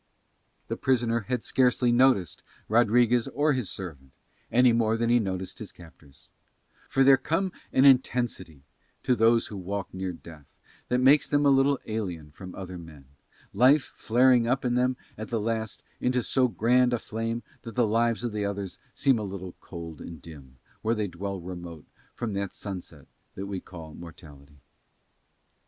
The prisoner had scarcely noticed Rodriguez or his servant, any more than he noticed his captors; for there come an intensity to those who walk near death that makes them a little alien from other men, life flaring up in them at the last into so grand a flame that the lives of the others seem a little cold and dim where they dwell remote from that sunset that we call mortality.